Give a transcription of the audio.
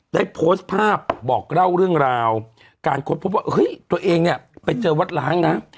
ได้โพสต์ภาพบอกเล่าเรื่องราวการค้นพบว่าเฮ้ยตัวเองเนี่ยไปเจอวัดล้างนะ